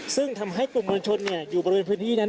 ซึ่งทำให้กลุ่มมวลชนอยู่บริเวณพื้นที่นั้น